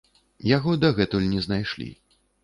Яго дагэтуль не знайшлі.